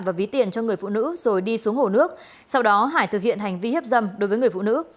và ví tiền cho người phụ nữ rồi đi xuống hồ nước sau đó hải thực hiện hành vi hiếp dâm đối với người phụ nữ